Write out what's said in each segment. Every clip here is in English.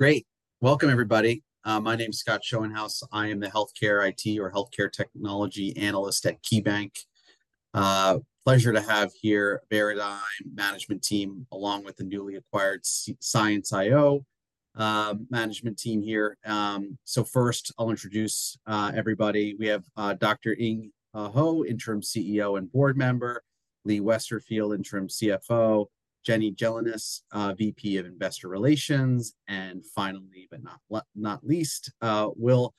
Great. Welcome, everybody. My name's Scott Schoenhaus. I am the Healthcare IT, or Healthcare Technology, Analyst at KeyBanc. Pleasure to have here Veradigm Management Team, along with the newly acquired ScienceIO Management Team here. So first, I'll introduce everybody. We have Dr. Shih-Yin Ho, Interim CEO and Board Member; Lee Westerfield, Interim CFO; Jenny Gelinas, VP of Investor Relations; and finally, but not least, Will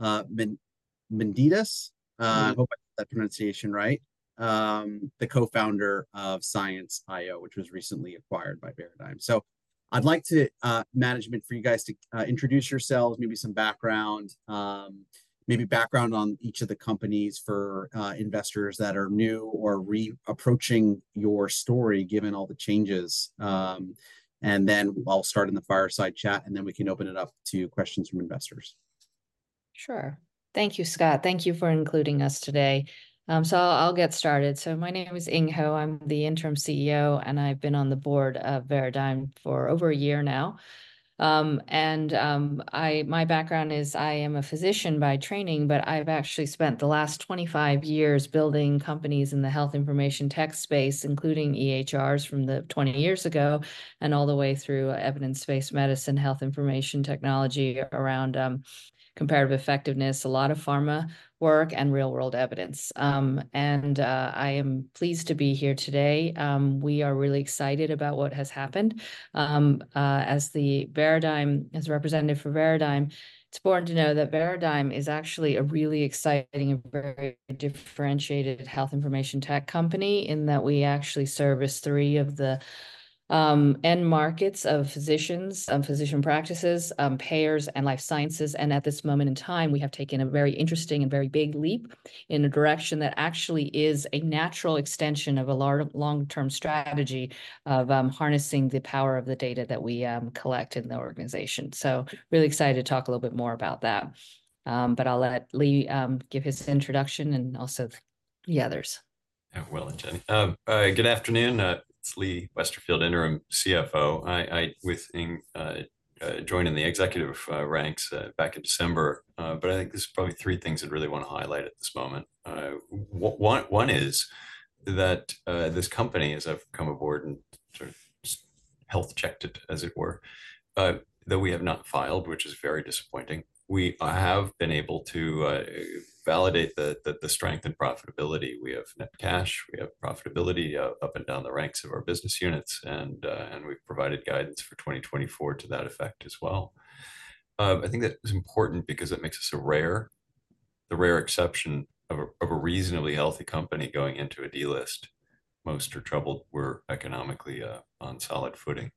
Manidis. I hope I got that pronunciation right. The co-founder of ScienceIO, which was recently acquired by Veradigm. So I'd like for you guys to introduce yourselves, maybe some background, maybe background on each of the companies for investors that are new or re-approaching your story, given all the changes. And then I'll start in the fireside chat, and then we can open it up to questions from investors. Sure. Thank you, Scott. Thank you for including us today. So I'll get started. So my name is Shih-Yin Ho. I'm the Interim CEO, and I've been on the board of Veradigm for over a year now. My background is I am a physician by training, but I've actually spent the last 25 years building companies in the health information tech space, including EHRs from 20 years ago and all the way through evidence-based medicine, health information technology around comparative effectiveness, a lot of pharma work, and real-world evidence. I am pleased to be here today. We are really excited about what has happened. As the representative for Veradigm, it's important to know that Veradigm is actually a really exciting and very differentiated health information tech company in that we actually service three of the end markets of physicians, physician practices, payers, and life sciences. At this moment in time, we have taken a very interesting and very big leap in a direction that actually is a natural extension of a long-term strategy of harnessing the power of the data that we collect in the organization. So really excited to talk a little bit more about that. But I'll let Lee give his introduction and also the others. Yeah, Will and Jenny. Good afternoon. It's Lee Westerfield, Interim CFO. I joined in the executive ranks back in December, but I think there's probably three things I'd really want to highlight at this moment. One is that this company, as I've come aboard and sort of just health-checked it, as it were, that we have not filed, which is very disappointing. We have been able to validate the strength and profitability. We have net cash. We have profitability up and down the ranks of our business units, and we've provided guidance for 2024 to that effect as well. I think that's important because it makes us a rare exception of a reasonably healthy company going into a delist. Most are troubled; we're economically on solid footing.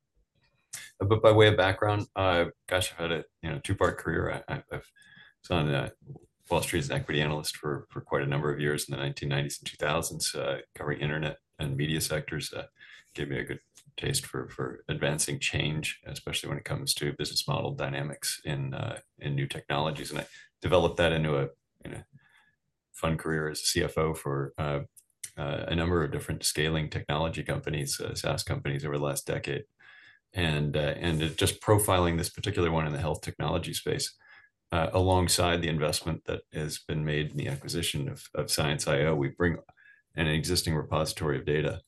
But by way of background, gosh, I've had a two-part career. I've sat on Wall Street as an equity analyst for quite a number of years in the 1990s and 2000s, covering internet and media sectors. It gave me a good taste for advancing change, especially when it comes to business model dynamics in new technologies. I developed that into a fun career as a CFO for a number of different scaling technology companies, SaaS companies, over the last decade. Just profiling this particular one in the health technology space, alongside the investment that has been made in the acquisition of ScienceIO, we bring an existing repository of data,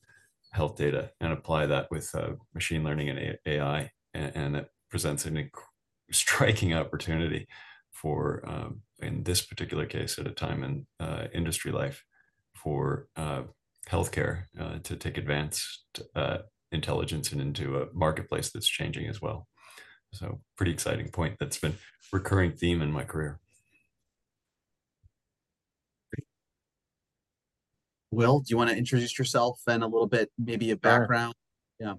health data, and apply that with machine learning and AI. That presents a striking opportunity for, in this particular case, at a time in industry life, for healthcare to take advanced intelligence into a marketplace that's changing as well. Pretty exciting point. That's been a recurring theme in my career. Will, do you want to introduce yourself and a little bit maybe of background? Yeah.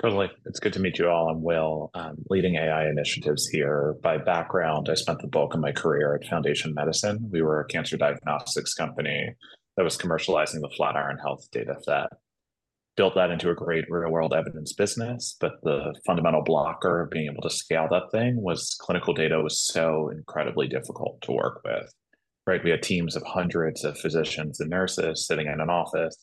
Totally. It's good to meet you all. I'm Will, leading AI initiatives here. By background, I spent the bulk of my career at Foundation Medicine. We were a cancer diagnostics company that was commercializing the Flatiron Health data set. Built that into a great real-world evidence business, but the fundamental blocker of being able to scale that thing was clinical data was so incredibly difficult to work with, right? We had teams of hundreds of physicians and nurses sitting in an office,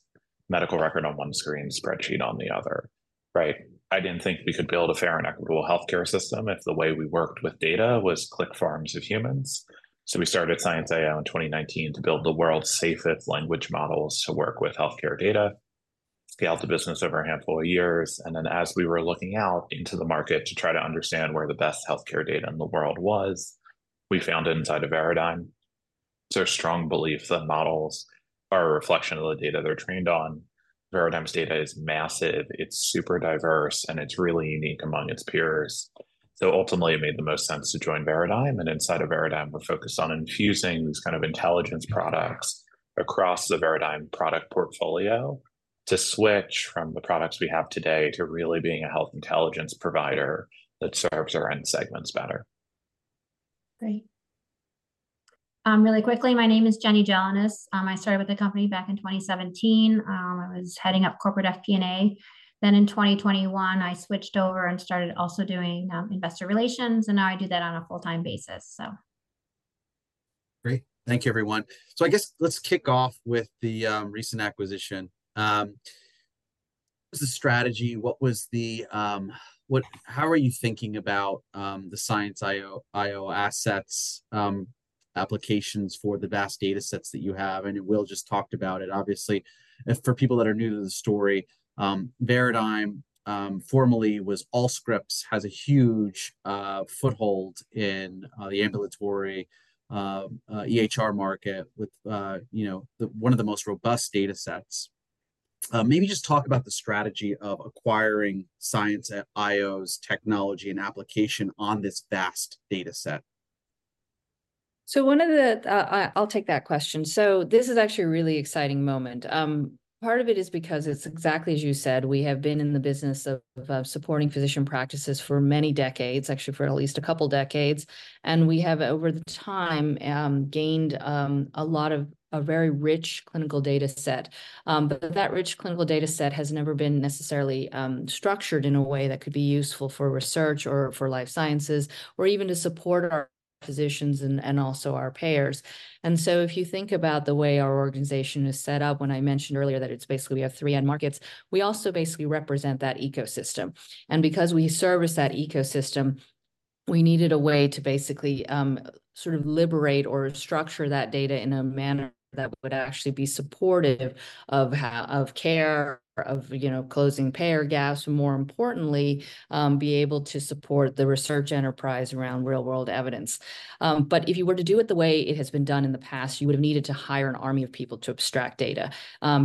medical record on one screen, spreadsheet on the other, right? I didn't think we could build a fair and equitable healthcare system if the way we worked with data was click farms of humans. So we started ScienceIO in 2019 to build the world's safest language models to work with healthcare data. Scaled the business over a handful of years. Then as we were looking out into the market to try to understand where the best healthcare data in the world was, we found it inside of Veradigm. It's our strong belief that models are a reflection of the data they're trained on. Veradigm's data is massive. It's super diverse, and it's really unique among its peers. Ultimately, it made the most sense to join Veradigm. Inside of Veradigm, we're focused on infusing these kind of intelligence products across the Veradigm product portfolio to switch from the products we have today to really being a health intelligence provider that serves our end segments better. Great. Really quickly, my name is Jenny Gelinas. I started with the company back in 2017. I was heading up corporate FP&A. Then in 2021, I switched over and started also doing investor relations. Now I do that on a full-time basis, so. Great. Thank you, everyone. So I guess let's kick off with the recent acquisition. What was the strategy? How are you thinking about the ScienceIO assets, applications for the vast datasets that you have? And Will just talked about it. Obviously, for people that are new to the story, Veradigm formerly was Allscripts, has a huge foothold in the ambulatory EHR market with one of the most robust datasets. Maybe just talk about the strategy of acquiring ScienceIO's technology and application on this vast dataset. So one of the I'll take that question. So this is actually a really exciting moment. Part of it is because it's exactly as you said, we have been in the business of supporting physician practices for many decades, actually for at least a couple of decades. And we have, over time, gained a lot of a very rich clinical dataset. But that rich clinical dataset has never been necessarily structured in a way that could be useful for research or for life sciences or even to support our physicians and also our payers. And so if you think about the way our organization is set up, when I mentioned earlier that it's basically we have three end markets, we also basically represent that ecosystem. Because we service that ecosystem, we needed a way to basically sort of liberate or structure that data in a manner that would actually be supportive of care, of closing payer gaps, and more importantly, be able to support the research enterprise around real-world evidence. But if you were to do it the way it has been done in the past, you would have needed to hire an army of people to abstract data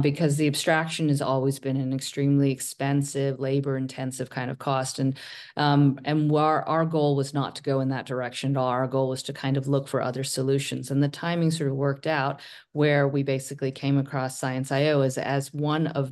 because the abstraction has always been an extremely expensive, labor-intensive kind of cost. And our goal was not to go in that direction at all. Our goal was to kind of look for other solutions. The timing sort of worked out where we basically came across ScienceIO as one of,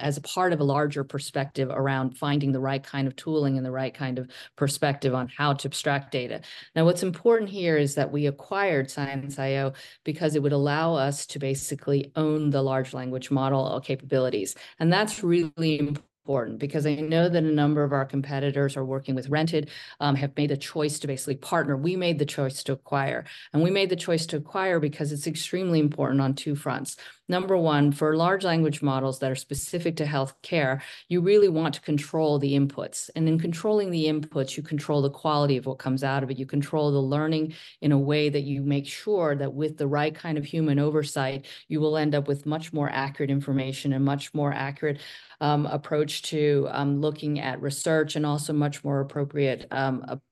as a part of a larger perspective around finding the right kind of tooling and the right kind of perspective on how to abstract data. Now, what's important here is that we acquired ScienceIO because it would allow us to basically own the large language model capabilities. That's really important because I know that a number of our competitors are working with rented, have made the choice to basically partner. We made the choice to acquire. We made the choice to acquire because it's extremely important on two fronts. Number one, for large language models that are specific to healthcare, you really want to control the inputs. And in controlling the inputs, you control the quality of what comes out of it. You control the learning in a way that you make sure that with the right kind of human oversight, you will end up with much more accurate information and a much more accurate approach to looking at research and also a much more appropriate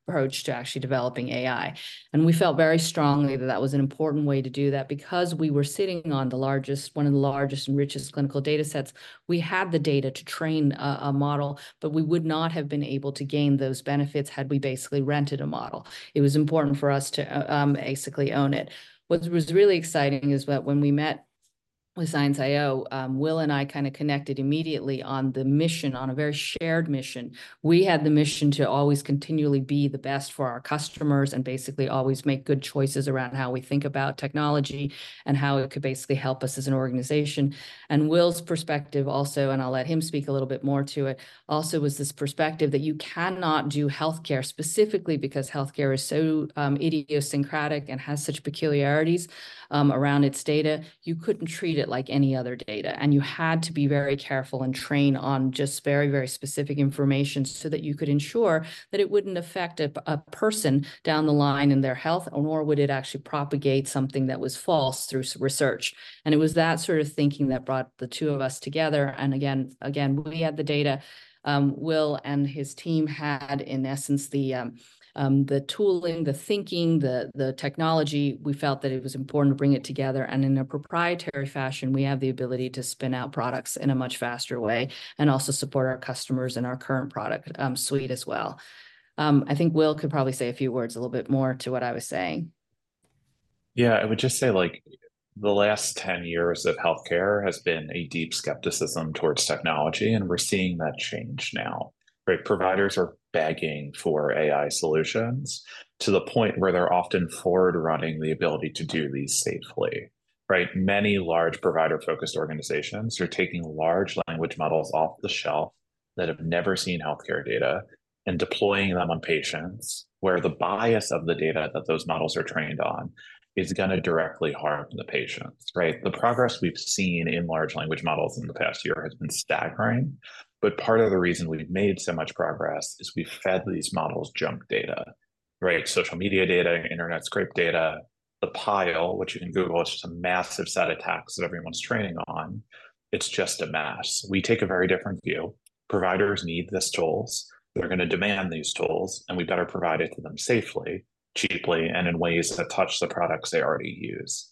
approach to actually developing AI. We felt very strongly that that was an important way to do that because we were sitting on the largest, one of the largest and richest clinical datasets. We had the data to train a model, but we would not have been able to gain those benefits had we basically rented a model. It was important for us to basically own it. What was really exciting is that when we met with ScienceIO, Will and I kind of connected immediately on the mission, on a very shared mission. We had the mission to always continually be the best for our customers and basically always make good choices around how we think about technology and how it could basically help us as an organization. And Will's perspective also, and I'll let him speak a little bit more to it, also was this perspective that you cannot do healthcare specifically because healthcare is so idiosyncratic and has such peculiarities around its data. You couldn't treat it like any other data. And you had to be very careful and train on just very, very specific information so that you could ensure that it wouldn't affect a person down the line in their health, nor would it actually propagate something that was false through research. And it was that sort of thinking that brought the two of us together. And again, we had the data. Will and his team had, in essence, the tooling, the thinking, the technology. We felt that it was important to bring it together. In a proprietary fashion, we have the ability to spin out products in a much faster way and also support our customers in our current product suite as well. I think Will could probably say a few words a little bit more to what I was saying. Yeah. I would just say the last 10 years of healthcare has been a deep skepticism towards technology. And we're seeing that change now, right? Providers are begging for AI solutions to the point where they're often forward-running the ability to do these safely, right? Many large provider-focused organizations are taking large language models off the shelf that have never seen healthcare data and deploying them on patients where the bias of the data that those models are trained on is going to directly harm the patients, right? The progress we've seen in large language models in the past year has been staggering. But part of the reason we've made so much progress is we've fed these models junk data, right? Social media data, internet scrape data. The Pile, which you can Google, it's just a massive set of tasks that everyone's training on. It's just a mess. We take a very different view. Providers need these tools. They're going to demand these tools. We better provide it to them safely, cheaply, and in ways that touch the products they already use.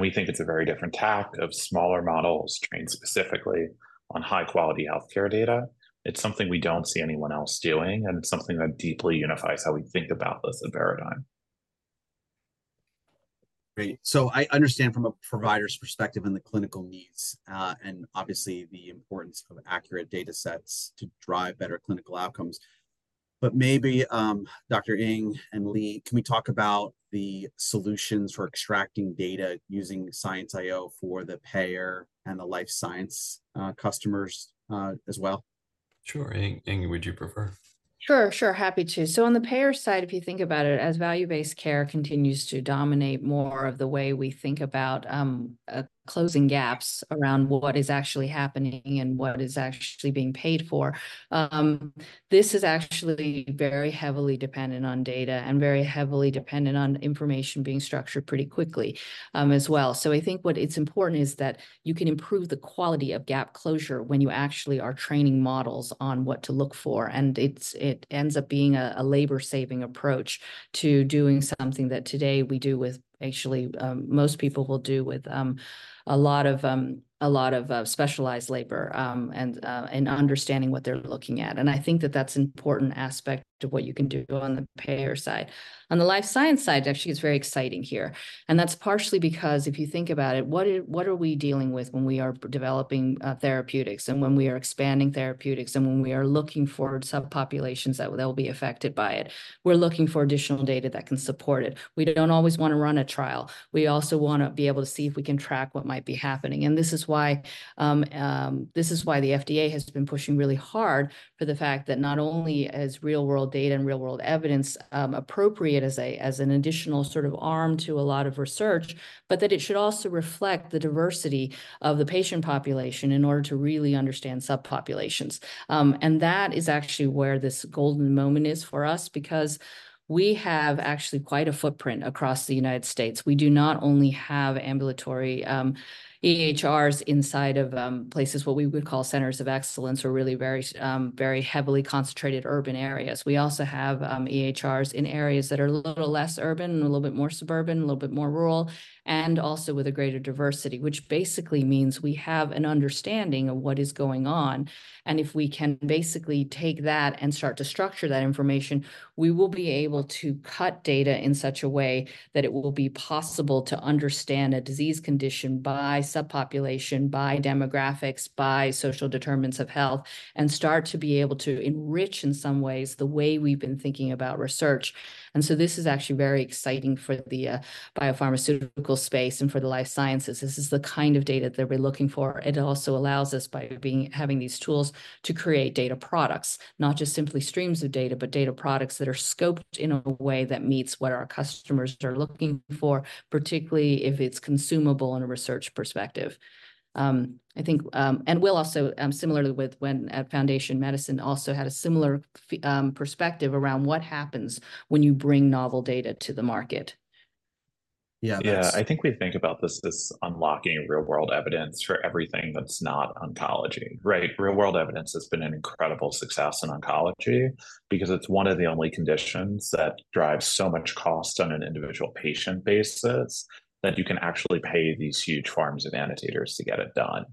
We think it's a very different tack of smaller models trained specifically on high-quality healthcare data. It's something we don't see anyone else doing. It's something that deeply unifies how we think about this at Veradigm. Great. So I understand from a provider's perspective and the clinical needs and obviously the importance of accurate datasets to drive better clinical outcomes. But maybe Dr. Ho and Lee, can we talk about the solutions for extracting data using ScienceIO for the payer and the life science customers as well? Sure. Yin, would you prefer? Sure. Sure. Happy to. So, on the payer side, if you think about it, as value-based care continues to dominate more of the way we think about closing gaps around what is actually happening and what is actually being paid for, this is actually very heavily dependent on data and very heavily dependent on information being structured pretty quickly as well. So, I think what it's important is that you can improve the quality of gap closure when you actually are training models on what to look for. And it ends up being a labor-saving approach to doing something that today we do with actually most people will do with a lot of specialized labor and understanding what they're looking at. And I think that that's an important aspect of what you can do on the payer side. On the life science side, actually, it's very exciting here. And that's partially because if you think about it, what are we dealing with when we are developing therapeutics and when we are expanding therapeutics and when we are looking for subpopulations that will be affected by it? We're looking for additional data that can support it. We don't always want to run a trial. We also want to be able to see if we can track what might be happening. And this is why this is why the FDA has been pushing really hard for the fact that not only is real-world data and real-world evidence appropriate as an additional sort of arm to a lot of research, but that it should also reflect the diversity of the patient population in order to really understand subpopulations. And that is actually where this golden moment is for us because we have actually quite a footprint across the United States. We do not only have ambulatory EHRs inside of places, what we would call centers of excellence, or really very, very heavily concentrated urban areas. We also have EHRs in areas that are a little less urban, a little bit more suburban, a little bit more rural, and also with a greater diversity, which basically means we have an understanding of what is going on. And if we can basically take that and start to structure that information, we will be able to cut data in such a way that it will be possible to understand a disease condition by subpopulation, by demographics, by social determinants of health, and start to be able to enrich in some ways the way we've been thinking about research. And so this is actually very exciting for the biopharmaceutical space and for the life sciences. This is the kind of data that we're looking for. It also allows us, by having these tools, to create data products, not just simply streams of data, but data products that are scoped in a way that meets what our customers are looking for, particularly if it's consumable in a research perspective. I think and Will also, similarly with when Foundation Medicine also had a similar perspective around what happens when you bring novel data to the market. Yeah. I think we think about this as unlocking real-world evidence for everything that's not oncology, right? Real-world evidence has been an incredible success in oncology because it's one of the only conditions that drives so much cost on an individual patient basis that you can actually pay these huge farms of annotators to get it done.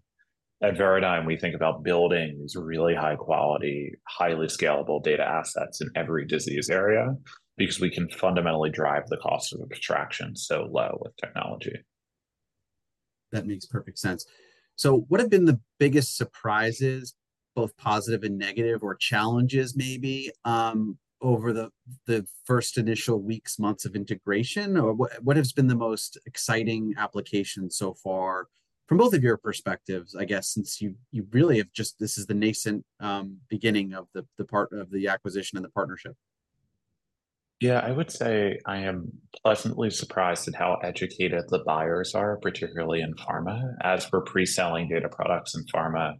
At Veradigm, we think about building these really high-quality, highly scalable data assets in every disease area because we can fundamentally drive the cost of abstraction so low with technology. That makes perfect sense. So what have been the biggest surprises, both positive and negative or challenges maybe, over the first initial weeks, months of integration? Or what has been the most exciting application so far from both of your perspectives, I guess, since you really have just this is the nascent beginning of the part of the acquisition and the partnership? Yeah. I would say I am pleasantly surprised at how educated the buyers are, particularly in pharma. As we're preselling data products in pharma,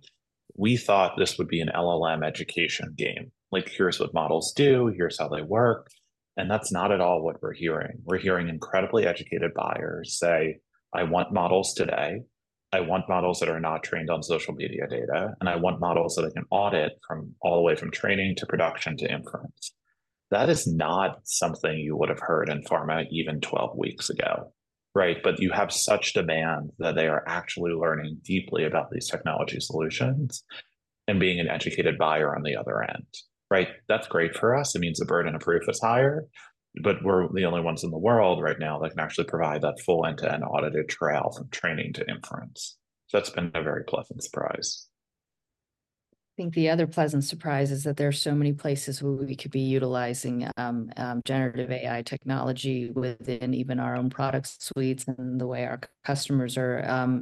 we thought this would be an LLM education game. Here's what models do. Here's how they work. And that's not at all what we're hearing. We're hearing incredibly educated buyers say, "I want models today. I want models that are not trained on social media data. And I want models that I can audit from all the way from training to production to inference." That is not something you would have heard in pharma even 12 weeks ago, right? But you have such demand that they are actually learning deeply about these technology solutions and being an educated buyer on the other end, right? That's great for us. It means the burden of proof is higher. But we're the only ones in the world right now that can actually provide that full end-to-end audit trail from training to inference. So that's been a very pleasant surprise. I think the other pleasant surprise is that there are so many places where we could be utilizing generative AI technology within even our own product suites and the way our customers are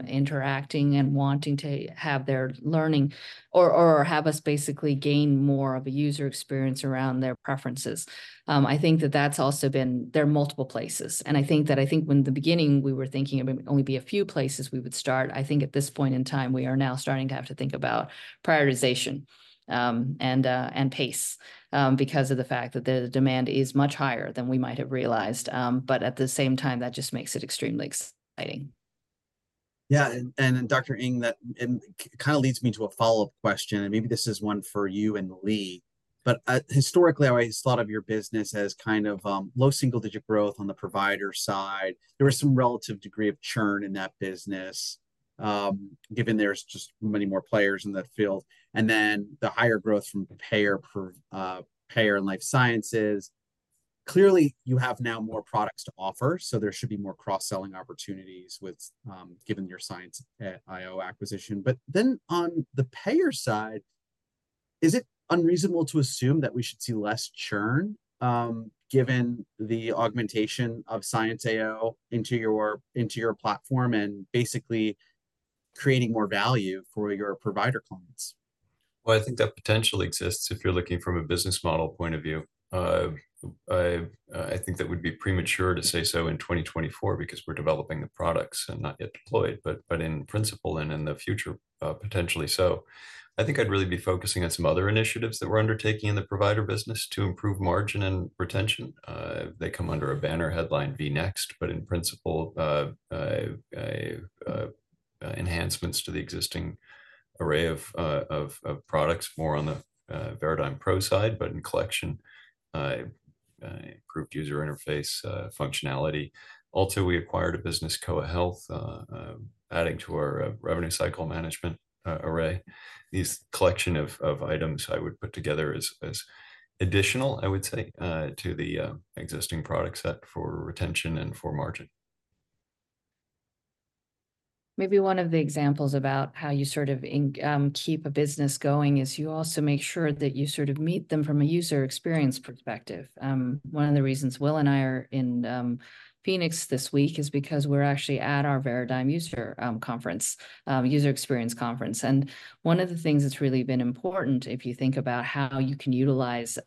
interacting and wanting to have their learning or have us basically gain more of a user experience around their preferences. I think that that's also been there are multiple places. And I think that I think when in the beginning, we were thinking it would only be a few places we would start. I think at this point in time, we are now starting to have to think about prioritization and pace because of the fact that the demand is much higher than we might have realized. But at the same time, that just makes it extremely exciting. Yeah. And Dr. Ng, that kind of leads me to a follow-up question. And maybe this is one for you and Lee. But historically, I always thought of your business as kind of low single-digit growth on the provider side. There was some relative degree of churn in that business given there's just many more players in that field. And then the higher growth from payer and life sciences. Clearly, you have now more products to offer. So there should be more cross-selling opportunities given your ScienceIO acquisition. But then on the payer side, is it unreasonable to assume that we should see less churn given the augmentation of ScienceIO into your platform and basically creating more value for your provider clients? Well, I think that potentially exists if you're looking from a business model point of view. I think that would be premature to say so in 2024 because we're developing the products and not yet deployed. But in principle and in the future, potentially so. I think I'd really be focusing on some other initiatives that we're undertaking in the provider business to improve margin and retention. They come under a banner headline vNext. But in principle, enhancements to the existing array of products, more on the Veradigm Pro side, but in collection, improved user interface functionality. Also, we acquired a business, Koha Health, adding to our revenue cycle management array. This collection of items I would put together as additional, I would say, to the existing product set for retention and for margin. Maybe one of the examples about how you sort of keep a business going is you also make sure that you sort of meet them from a user experience perspective. One of the reasons Will and I are in Phoenix this week is because we're actually at our Veradigm user conference, user experience conference. And one of the things that's really been important if you think about how you can utilize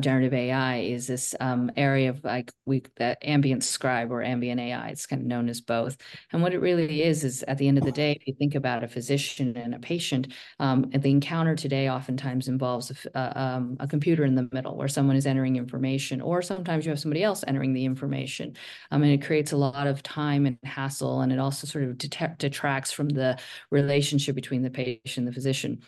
generative AI is this area of the ambient scribe or ambient AI. It's kind of known as both. And what it really is, is at the end of the day, if you think about a physician and a patient, the encounter today oftentimes involves a computer in the middle where someone is entering information. Or sometimes you have somebody else entering the information. And it creates a lot of time and hassle. It also sort of detracts from the relationship between the patient and the physician.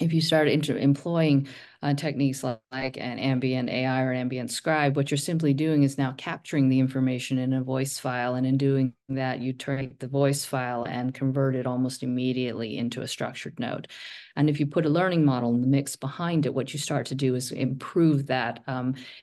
If you start employing techniques like an Ambient AI or an Ambient Scribe, what you're simply doing is now capturing the information in a voice file. In doing that, you take the voice file and convert it almost immediately into a structured note. If you put a learning model in the mix behind it, what you start to do is improve that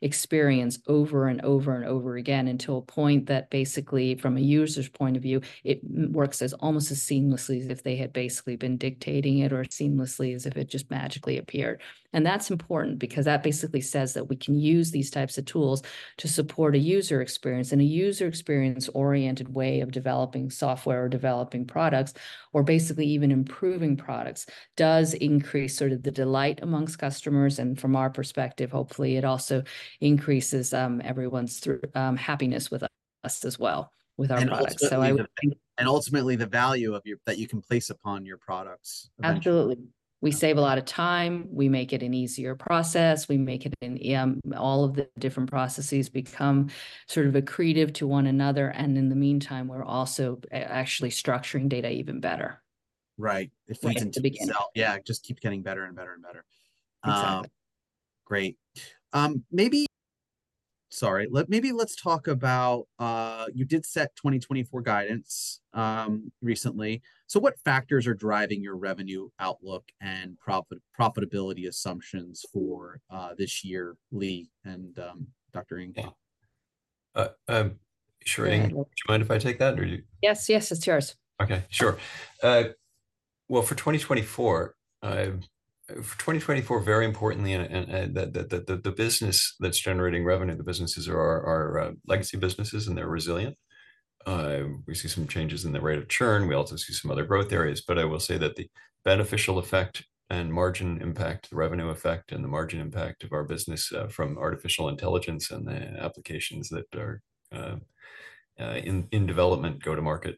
experience over and over and over again until a point that basically, from a user's point of view, it works almost as seamlessly as if they had basically been dictating it or seamlessly as if it just magically appeared. That's important because that basically says that we can use these types of tools to support a user experience. A user experience-oriented way of developing software or developing products or basically even improving products does increase sort of the delight amongst customers. From our perspective, hopefully, it also increases everyone's happiness with us as well with our products. So I. And ultimately, the value that you can place upon your products. Absolutely. We save a lot of time. We make it an easier process. We make it an all of the different processes become sort of accretive to one another. And in the meantime, we're also actually structuring data even better. Right. If we can sell. Yeah. Just keep getting better and better and better. Exactly. Great. Let's talk about you did set 2024 guidance recently. So what factors are driving your revenue outlook and profitability assumptions for this year, Lee and Dr. Ho? Sure. Ng, do you mind if I take that, or do you? Yes. Yes. It's yours. Okay. Sure. Well, for 2024, very importantly, the business that's generating revenue, the businesses are legacy businesses, and they're resilient. We see some changes in the rate of churn. We also see some other growth areas. But I will say that the beneficial effect and margin impact, the revenue effect and the margin impact of our business from artificial intelligence and the applications that are in development, go-to-market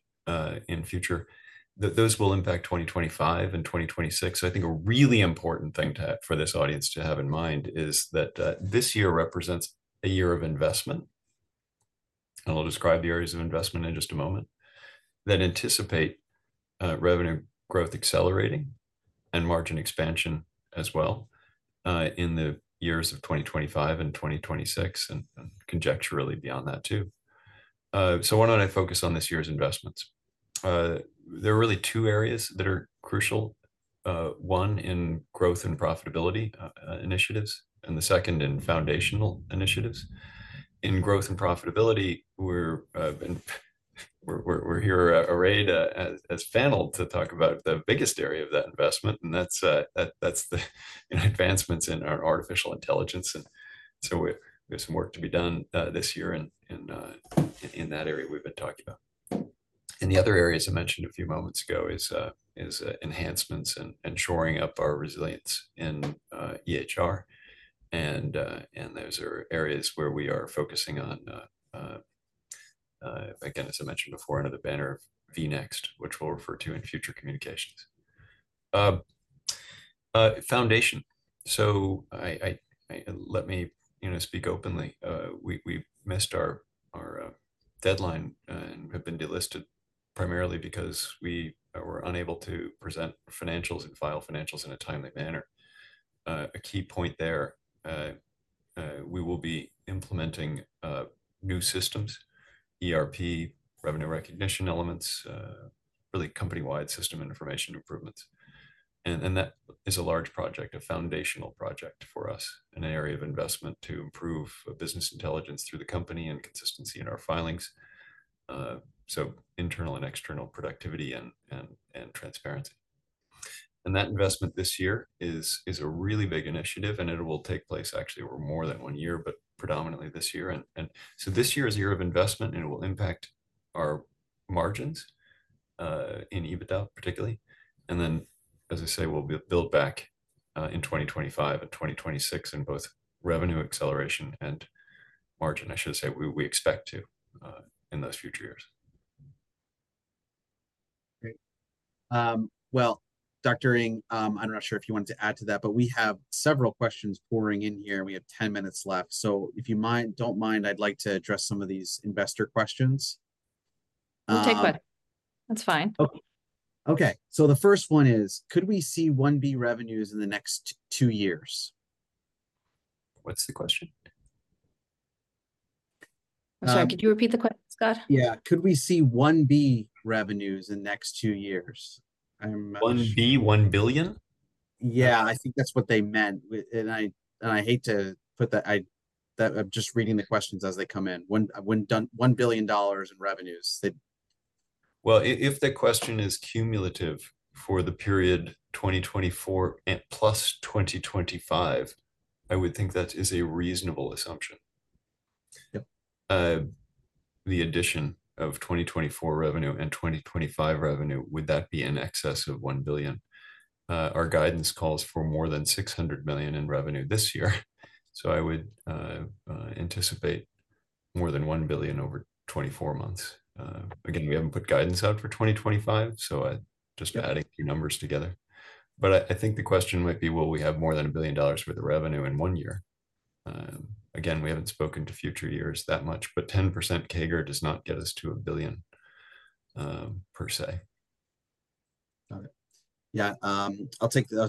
in future, those will impact 2025 and 2026. So I think a really important thing for this audience to have in mind is that this year represents a year of investment. And I'll describe the areas of investment in just a moment that anticipate revenue growth accelerating and margin expansion as well in the years of 2025 and 2026 and conjecturally beyond that too. So why don't I focus on this year's investments? There are really two areas that are crucial, one in growth and profitability initiatives and the second in foundational initiatives. In growth and profitability, we're here arrayed as funneled to talk about the biggest area of that investment. That's the advancements in our artificial intelligence. So we have some work to be done this year in that area we've been talking about. The other areas I mentioned a few moments ago is enhancements and shoring up our resilience in EHR. Those are areas where we are focusing on, again, as I mentioned before, under the banner of vNext, which we'll refer to in future communications. Foundation. So let me speak openly. We've missed our deadline and have been delisted primarily because we were unable to present financials and file financials in a timely manner. A key point there, we will be implementing new systems, ERP, revenue recognition elements, really company-wide system information improvements. That is a large project, a foundational project for us in an area of investment to improve business intelligence through the company and consistency in our filings, so internal and external productivity and transparency. That investment this year is a really big initiative. It will take place actually over more than one year, but predominantly this year. So this year is a year of investment. It will impact our margins in EBITDA, particularly. Then, as I say, we'll build back in 2025 and 2026 in both revenue acceleration and margin. I should say we expect to in those future years. Great. Well, Dr. Ng, I'm not sure if you wanted to add to that, but we have several questions pouring in here. We have 10 minutes left. So if you don't mind, I'd like to address some of these investor questions. We'll take one. That's fine. Okay. So the first one is, could we see $1 billion revenues in the next two years? What's the question? I'm sorry. Could you repeat the question, Scott? Yeah. Could we see $1 billion revenues in the next two years? $1B? $1 billion? Yeah. I think that's what they meant. I hate to put that I'm just reading the questions as they come in. $1 billion in revenues. Well, if the question is cumulative for the period 2024 plus 2025, I would think that is a reasonable assumption. The addition of 2024 revenue and 2025 revenue, would that be in excess of $1 billion? Our guidance calls for more than $600 million in revenue this year. So I would anticipate more than $1 billion over 24 months. Again, we haven't put guidance out for 2025. So just adding two numbers together. But I think the question might be, will we have more than $1 billion worth of revenue in one year? Again, we haven't spoken to future years that much. But 10% CAGR does not get us to $1 billion per se. Got it. Yeah. I'll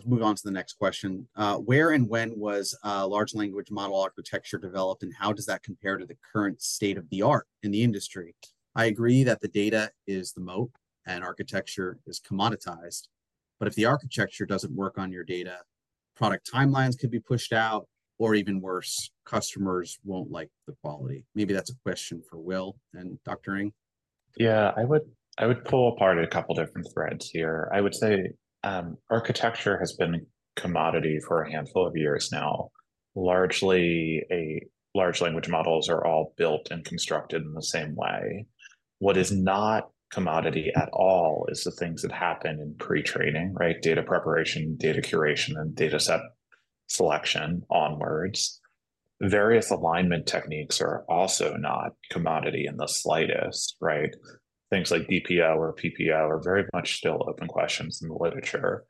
move on to the next question. Where and when was large language model architecture developed? And how does that compare to the current state of the art in the industry? I agree that the data is the moat. And architecture is commoditized. But if the architecture doesn't work on your data, product timelines could be pushed out. Or even worse, customers won't like the quality. Maybe that's a question for Will and Dr. Ng. Yeah. I would pull apart a couple of different threads here. I would say architecture has been a commodity for a handful of years now. Large language models are all built and constructed in the same way. What is not commodity at all is the things that happen in pretraining, right, data preparation, data curation, and dataset selection onwards. Various alignment techniques are also not commodity in the slightest, right? Things like DPO or PPO are very much still open questions in the literature.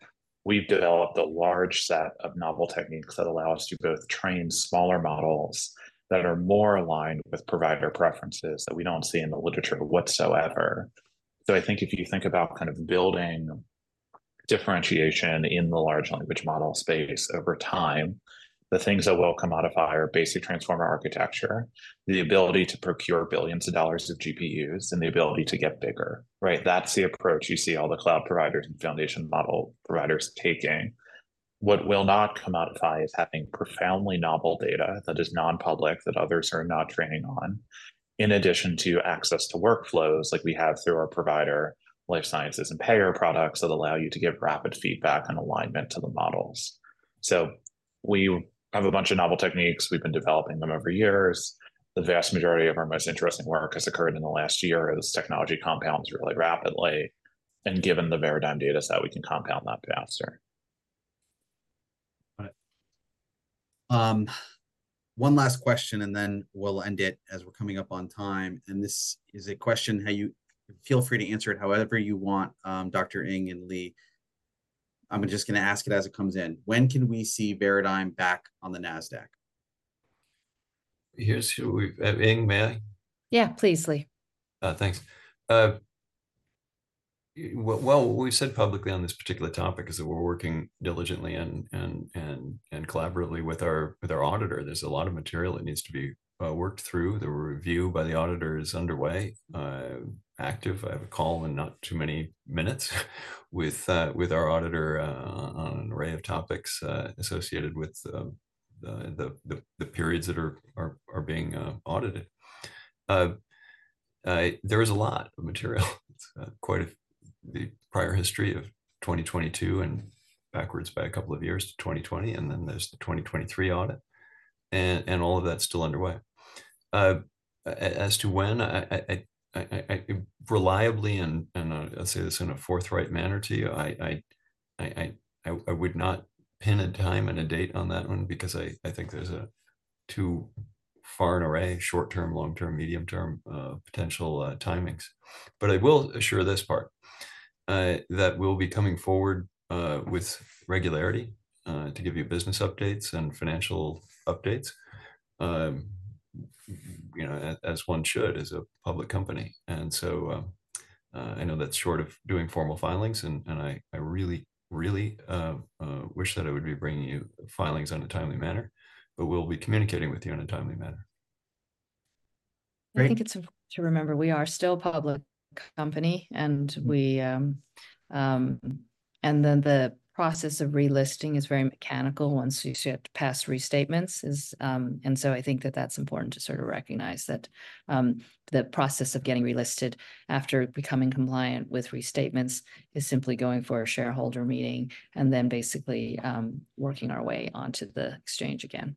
We've developed a large set of novel techniques that allow us to both train smaller models that are more aligned with provider preferences that we don't see in the literature whatsoever. So I think if you think about kind of building differentiation in the large language model space over time, the things that will commodify are basic transformer architecture, the ability to procure billions of dollars of GPUs, and the ability to get bigger, right? That's the approach you see all the cloud providers and foundation model providers taking. What will not commodify is having profoundly novel data that is nonpublic, that others are not training on, in addition to access to workflows like we have through our provider life sciences and payer products that allow you to give rapid feedback and alignment to the models. So we have a bunch of novel techniques. We've been developing them over years. The vast majority of our most interesting work has occurred in the last year as technology compounds really rapidly. And given the Veradigm dataset, we can compound that faster. Got it. One last question. Then we'll end it as we're coming up on time. This is a question. Feel free to answer it however you want, Dr. Ng and Lee. I'm just going to ask it as it comes in. When can we see Veradigm back on the NASDAQ? Here's who we've got, may I? Yeah. Please, Lee. Thanks. Well, we've said publicly on this particular topic is that we're working diligently and collaboratively with our auditor. There's a lot of material that needs to be worked through. The review by the auditor is underway, active. I have a call in not too many minutes with our auditor on an array of topics associated with the periods that are being audited. There is a lot of material. It's quite the prior history of 2022 and backwards by a couple of years to 2020. And then there's the 2023 audit. And all of that's still underway. As to when, reliably, and I'll say this in a forthright manner to you, I would not pin a time and a date on that one because I think there's too far an array, short-term, long-term, medium-term potential timings. But I will assure this part that we'll be coming forward with regularity to give you business updates and financial updates as one should as a public company. And so I know that's short of doing formal filings. And I really, really wish that I would be bringing you filings in a timely manner. But we'll be communicating with you in a timely manner. Great. I think it's important to remember we are still a public company. And then the process of relisting is very mechanical once you have to pass restatements. And so I think that that's important to sort of recognize that the process of getting relisted after becoming compliant with restatements is simply going for a shareholder meeting and then basically working our way onto the exchange again.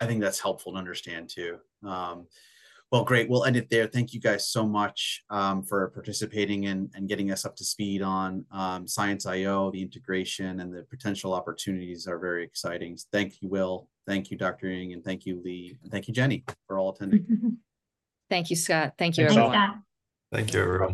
I think that's helpful to understand too. Well, great. We'll end it there. Thank you guys so much for participating and getting us up to speed on ScienceIO. The integration and the potential opportunities are very exciting. Thank you, Will. Thank you, Dr. Ng. Thank you, Lee. Thank you, Jenny, for all attending. Thank you, Scott. Thank you everyone. Thanks, Scott. Thank you everyone.